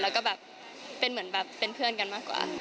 แล้วก็แบบเป็นเหมือนแบบเป็นเพื่อนกันมากกว่า